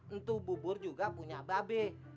untuk bubur juga punya babek